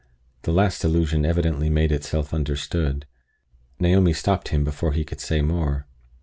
The last allusion evidently made itself understood. Naomi stopped him before he could say more.